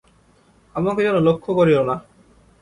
আমাকে যেন লক্ষ্য করিল না।